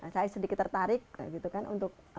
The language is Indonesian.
saya sedikit tertarik